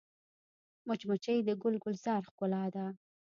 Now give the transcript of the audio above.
مچمچۍ د ګل ګلزار ښکلا ده